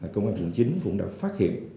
công an quận chín cũng đã phát hiện